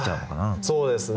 そうですね。